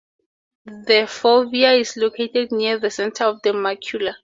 The fovea is located near the center of the macula.